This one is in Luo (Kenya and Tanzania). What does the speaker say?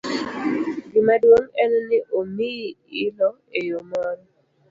Gima duong' en ni omiyi ilo eyo moro.